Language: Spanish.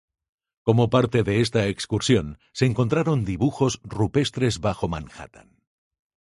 Como parte de esta excursión, se encontraron dibujos rupestres bajo Manhattan.